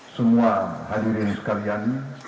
semua hadirin sekalian